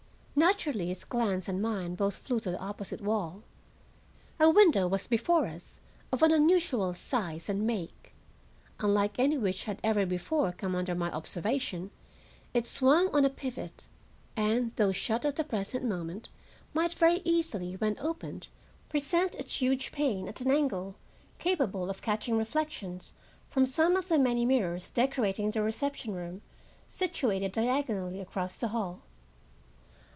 Naturally his glance and mine both flew to the opposite wall. A window was before us of an unusual size and make. Unlike any which had ever before come under my observation, it swung on a pivot, and, though shut at the present moment, might very easily, when opened, present its huge pane at an angle capable of catching reflections from some of the many mirrors decorating the reception room situated diagonally across the hall.